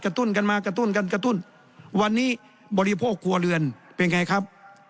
ตุ้นกันมากระตุ้นกันกระตุ้นวันนี้บริโภคครัวเรือนเป็นไงครับ